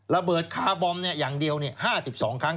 ระเบิดคาร์บอมอย่างเดียว๕๒ครั้ง